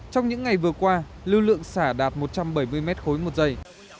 trong những ngày vừa qua lưu lượng xả đạt một trăm bảy mươi mét khối một giây